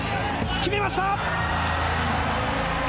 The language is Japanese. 決めました！